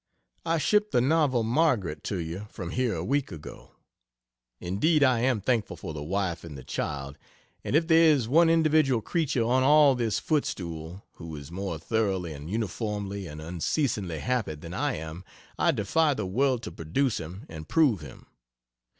] work. I shipped the novel ("Margaret") to you from here a week ago. Indeed I am thankful for the wife and the child and if there is one individual creature on all this footstool who is more thoroughly and uniformly and unceasingly happy than I am I defy the world to produce him and prove him.